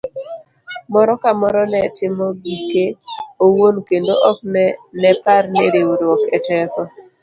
Moro kamoro ne timo gike owuon kendo ok nepar ni riwruok e teko.